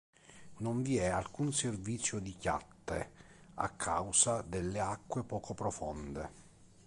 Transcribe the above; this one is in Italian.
Non vi è alcun servizio di chiatte a causa delle acque poco profonde.